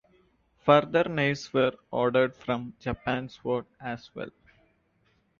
Further knives were ordered from Japan Sword as well.